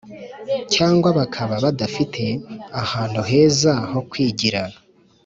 Cyangwa bakaba badafite ahantu heza ho kwigira